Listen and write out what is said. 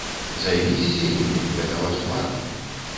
Займіцеся імі, гэта ваш твар.